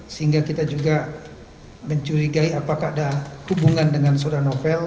sehingga kita juga mencurigai apakah ada hubungan dengan saudara novel